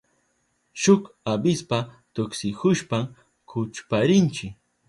Shuk avispa tuksihushpan kuchparinchi.